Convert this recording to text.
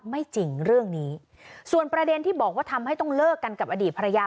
ไม่จริงเรื่องนี้ส่วนประเด็นที่บอกว่าทำให้ต้องเลิกกันกับอดีตภรรยา